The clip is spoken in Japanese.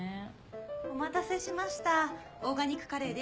お待たせしましたオーガニックカレーです。